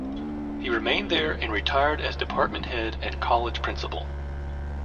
He remained there and retired as department head and college principal.